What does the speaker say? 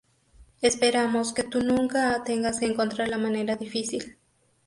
Esperamos que tu nunca tengas que encontrar la manera difícil".